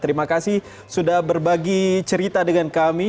terima kasih sudah berbagi cerita dengan kami